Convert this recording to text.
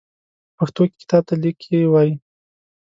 په پښتو کې کتاب ته ليکی وايي.